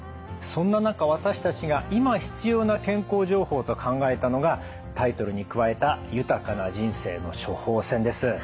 そんな中私たちが今必要な健康情報と考えたのがタイトルに加えた「豊かな人生の処方せん」です。